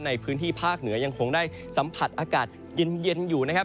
ในพื้นที่ภาคเหนือยังคงได้สัมผัสอากาศเย็นอยู่นะครับ